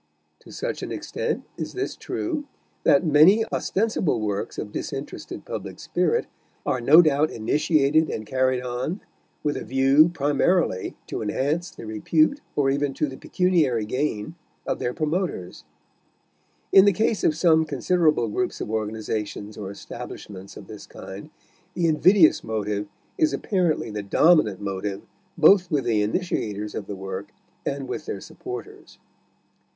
To such an extent is this true, that many ostensible works of disinterested public spirit are no doubt initiated and carried on with a view primarily to the enhance repute or even to the pecuniary gain, of their promoters. In the case of some considerable groups of organizations or establishments of this kind the invidious motive is apparently the dominant motive both with the initiators of the work and with their supporters.